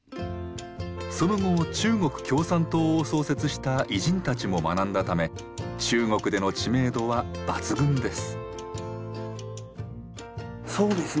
その後中国共産党を創設した偉人たちも学んだため中国での知名度は抜群です。